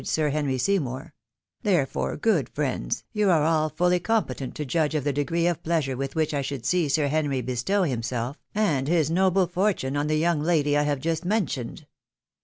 Sir Henry Seymour ; therefore, good friends, you are all fully competent to judge of the degree of pleasure with which I should see Sir Henry bestow himself and Ms noble fortune on the young lady I have just mentioned."